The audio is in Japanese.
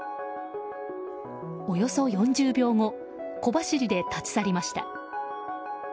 およそ４０秒後小走りで立ち去りました。